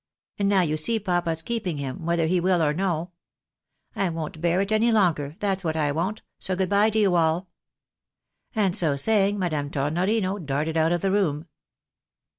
And now you see papa's keeping him, whether hg will or no. I won't bear it any longer, that's what I won't, so good by to you all." And so saying, Madame Tornorino darted out of the room.